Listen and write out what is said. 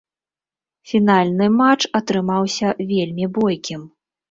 Фінальны матч атрымаўся вельмі бойкім.